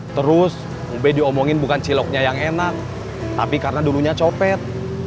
terus mobil diomongin bukan ciloknya yang enak tapi karena dulunya copet